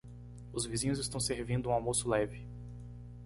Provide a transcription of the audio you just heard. Os vizinhos estão servindo um almoço leve.